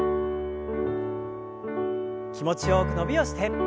気持ちよく伸びをして。